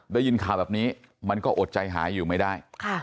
ได้ยินข่าวแบบนี้มันก็อดใจหายอยู่ไม่ได้